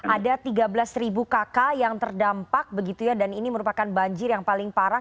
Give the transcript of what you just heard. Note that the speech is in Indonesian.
ada tiga belas kakak yang terdampak begitu ya dan ini merupakan banjir yang paling parah